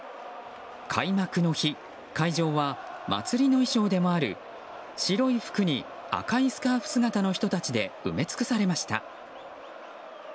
開幕の日会場は祭りの衣装でもある白い服に赤いスカーフ姿の人たちで埋め尽くされました。